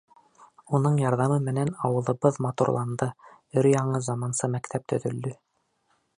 Уның ярҙамы менән ауылыбыҙ матурланды, өр-яңы заманса мәктәп төҙөлдө.